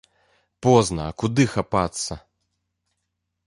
Позна, а куды хапацца?